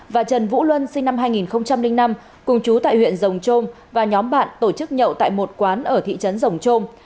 và trần vũ luân sinh năm hai nghìn năm cùng chú tại huyện rồng trôm và nhóm bạn tổ chức nhậu tại một quán ở thị trấn rồng trôm